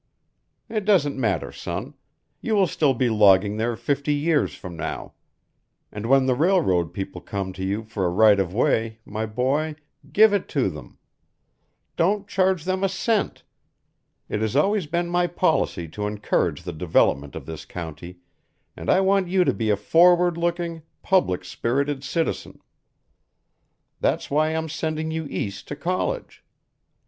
It doesn't matter, son. You will still be logging there fifty years from now. And when the railroad people come to you for a right of way, my boy, give it to them. Don't charge them a cent. It has always been my policy to encourage the development of this county, and I want you to be a forward looking, public spirited citizen. That's why I'm sending you East to college.